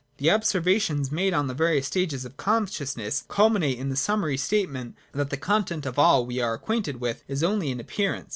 The observations, made on the various stages of consciousness, culminate in the summary statement, that the content of all we are acquainted with is only an ap pearance.